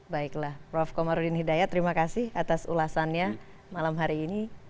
baiklah prof komarudin hidayat terima kasih atas ulasannya malam hari ini